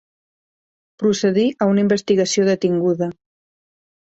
Procedir a una investigació detinguda.